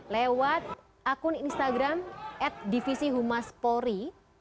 lewat akun instagram at divisi humas polri